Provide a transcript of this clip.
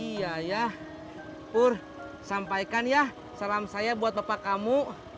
iya ya pur sampaikan ya salam saya buat bapak kamu